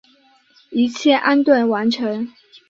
一切安顿完成